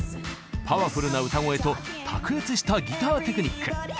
パワフルな歌声と卓越したギターテクニック。